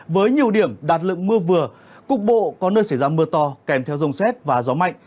với nhiều điểm đạt lượng mưa vừa cục bộ có nơi xảy ra mưa to kèm theo rông xét và gió mạnh